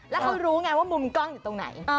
แล้วเขารู้ไงว่ามุมกล้องอยู่ตรงไหน